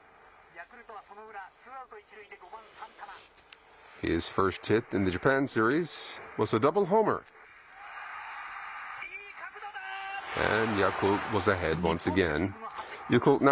ヤクルトはその裏、ツーアウト１塁で５番サンタナ。